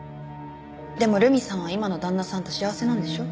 でも留美さんは今の旦那さんと幸せなんでしょ？